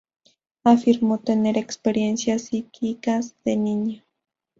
Afirmó tener experiencias psíquicas de niño.